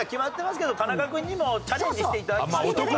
けど田中君にもチャレンジして頂きましょうか。